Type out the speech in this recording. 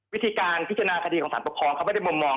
วิธีการพิจารณาคดีของสารปกครองเขาไม่ได้มุมมอง